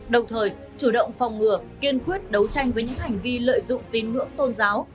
đồng thời chủ động phòng ngừa kiên quyết đấu tranh với những hành vi lợi dụng tin ngưỡng tôn giáo